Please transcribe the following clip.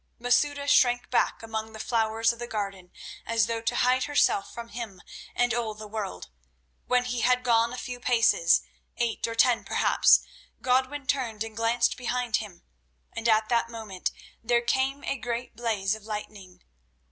Masouda shrank back among the flowers of the garden as though to hide herself from him and all the world. When he had gone a few paces, eight or ten perhaps, Godwin turned and glanced behind him, and at that moment there came a great blaze of lightning.